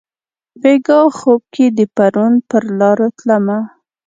بیګاه خوب کښي د پرون پرلارو تلمه